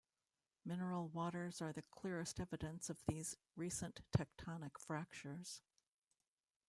Mineral waters are the clearest evidence of these recent tectonic fractures.